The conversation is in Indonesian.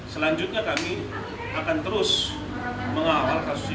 selanjutnya kami akan terus mengawal kasus ini